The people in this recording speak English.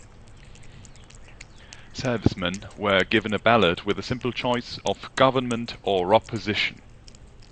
Servicemen were given a ballot with the simple choice of "Government" or "Opposition".